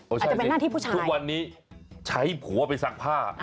อาจจะเป็นหน้าที่ผู้ชายทุกวันนี้ใช้ผัวไปซักผ้า